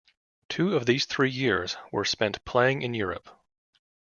Two of these three years were spent playing in Europe.